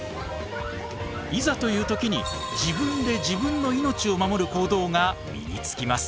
いざという時に自分で自分の命を守る行動が身につきます。